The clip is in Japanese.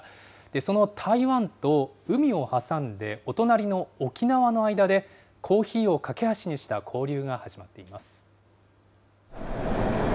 その台湾と海を挟んでお隣の沖縄の間で、コーヒーを懸け橋にした交流が始まっています。